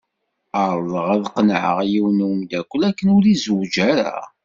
Ԑerḍeɣ ad qennεeɣ yiwen n wemdakel akken ur izewweǧ ara.